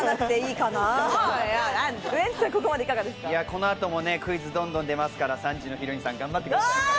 この後もクイズどんどん出ますから、３時のヒロインさん頑張ってくださいね。